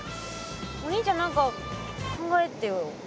お兄ちゃん何か考えてよ。